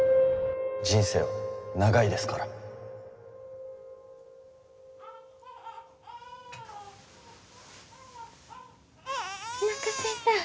人生は長いですからおなかすいた？